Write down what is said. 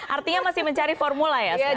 artinya masih mencari formula ya